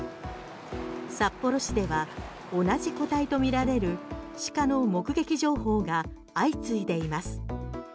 札幌市では同じ個体とみられるシカの目撃情報が相次いでいます。